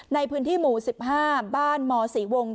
ในพื้นที่หมู่สิบห้าบ้านหมอศรีวงศ์